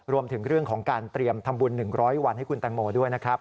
รวมถึงเรื่องของการเตรียมทำบุญ๑๐๐วันให้คุณแตงโมด้วยนะครับ